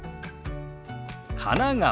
「神奈川」。